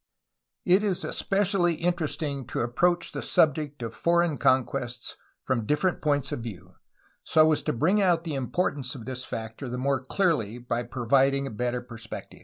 It is especially interesting to approach the subject of foreign conquests from different points of view, so as to bring out the importance of this factor the more clearly by pro viding a better perspective.